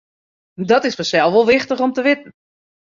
Dat is fansels wol wichtich om te witten.